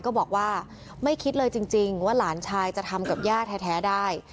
ก็บอกว่าไม่คิดเลยจริงว่าหลานชายจะทำกับย่าแท้ได้